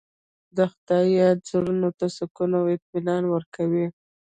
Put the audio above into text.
د خدای یاد زړونو ته سکون او اطمینان ورکوي.